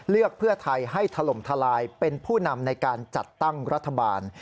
เลือกเพื่อไทยให้ถล่มทลายเป็นผู้นำในการจัดตั้งรัฐบาล